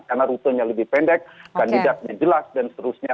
karena rutenya lebih pendek kandidatnya jelas dan seterusnya